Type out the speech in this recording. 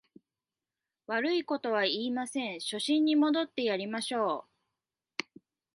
悪いことは言いません、初心に戻ってやりましょう